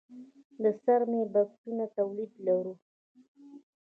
د څرمي بکسونو تولید لرو؟